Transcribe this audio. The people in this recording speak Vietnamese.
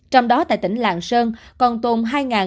trong đó tại tỉnh lạng sơn còn tồn hai một mươi